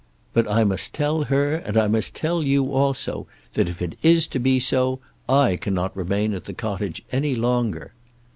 But I must tell her, and I must tell you also, that if it is to be so, I cannot remain at the cottage any longer."